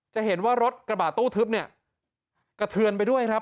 จะเห็นว่ารถกระบาดตู้ทึบเนี่ยกระเทือนไปด้วยครับ